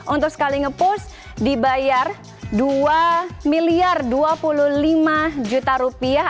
untuk sekali nge push dibayar dua miliar dua puluh lima juta rupiah